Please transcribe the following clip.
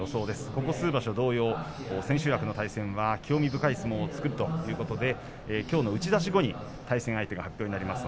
ここ数場所同様千秋楽は興味深い相撲を作るということできょうの打ち出し後に対戦相手が発表になります。